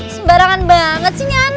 sembarangan banget sih nyana